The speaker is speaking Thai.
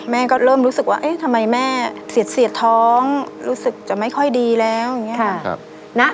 แม่ก็เริ่มรู้สึกว่าเอ๊ะทำไมแม่เสียดท้องรู้สึกจะไม่ค่อยดีแล้วอย่างนี้ค่ะ